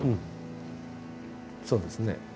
そうですね。